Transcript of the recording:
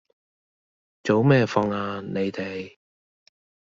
早咩放呀你哋